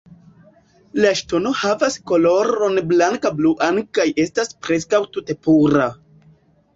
La ŝtono havas koloron blanka-bluan kaj estas preskaŭ tute pura.